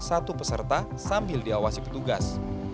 satu peserta sambil diawasi petugas